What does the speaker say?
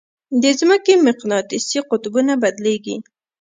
د ځمکې مقناطیسي قطبونه بدلېږي.